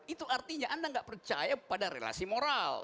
itu artinya anda nggak percaya pada relasi moral